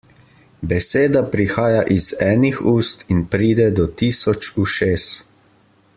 Beseda prihaja iz enih ust in pride do tisoč ušes.